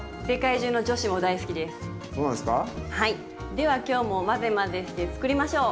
では今日も混ぜ混ぜして作りましょう。